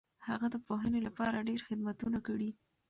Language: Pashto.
هغه د پوهنې لپاره ډېر خدمتونه کړي دي.